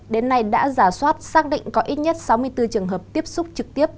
đến nay đã giả soát xác định có ít nhất sáu mươi bốn trường hợp tiếp xúc trực tiếp